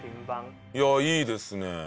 いやいいですね。